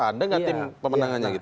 ada nggak tim pemenangannya